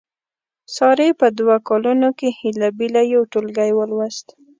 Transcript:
سارې په دوه کالونو کې هیله بیله یو ټولګی ولوست.